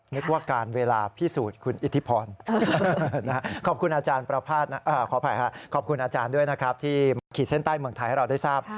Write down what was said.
นึกว่าการเวลาพิสูจน์คุณอิทธิพรขอบคุณอาจารย์ด้วยนะครับที่มาขีดเส้นใต้เมืองไทยให้เราได้ทราบ